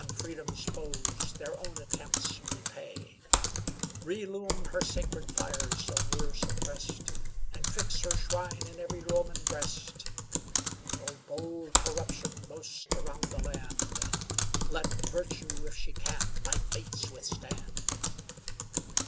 On Freedom's foes their own attempts repay; Relume her sacred fire so near suppressed, And fix her shrine in every Roman breast: Though bold corruption boast around the land, "Let virtue, if she can, my baits withstand!"